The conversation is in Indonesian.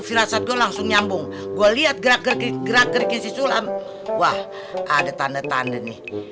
firasat langsung nyambung gua lihat gerak gerik gerak gerikin sisulah wah ada tanda tanda nih